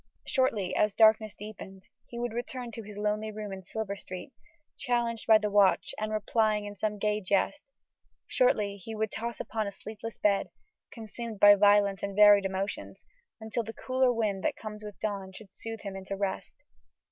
Shortly, as darkness deepened, he would return to his lonely room in Silver Street, challenged by the watch and replying in some gay jest: shortly he would toss upon a sleepless bed, consumed by violent and varied emotions, until the cooler wind that comes with dawn should soothe him into rest.